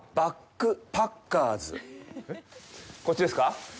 こっちですか。